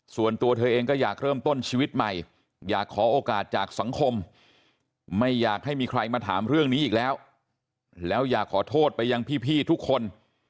ส่วนตัวเธอเองก็อยากเริ่มต้นชีวิตใหม่อยากขอโอกาสจากสังคมไม่อยากให้มีใครมาถามเรื่องนี้อีกแล้วแล้วอยากขอโทษไปยังพี่ทุกคน